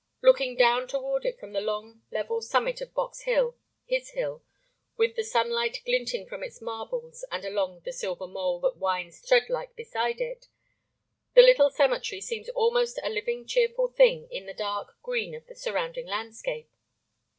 Looking down toward it from the long level summit of Box Hill—his hill,—with the sunlight glinting from its marbles and along the silver Mole that winds threadlike beside it, the little cemetery seems almost a living cheerful [Pg 6]thing in the dark green of the surrounding landscape.